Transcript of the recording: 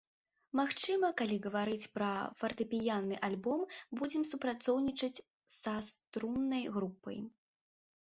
Магчыма, калі гаварыць пра фартэпіянны альбом, будзем супрацоўнічаць са струннай групай.